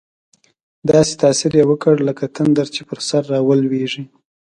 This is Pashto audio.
داسې تاثیر یې وکړ، لکه تندر چې پر سر راولوېږي.